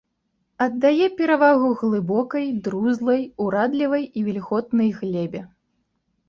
Аддае перавагу глыбокай друзлай, урадлівай і вільготнай глебе.